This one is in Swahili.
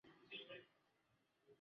Makazi ni mazuri.